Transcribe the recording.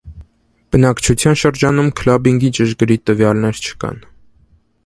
Բնակչության շրջանում քլաբինգի ճշգրիտ տվյալներ չկան։